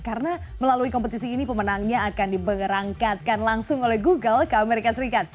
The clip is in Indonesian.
karena melalui kompetisi ini pemenangnya akan diberangkatkan langsung oleh google ke amerika serikat